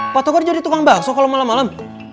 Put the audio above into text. pak togar jadi tukang bakso kalau malem malem